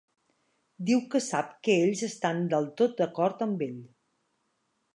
Diu que sap que ells estan del tot d'acord amb ell.